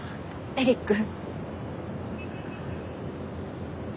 エリック！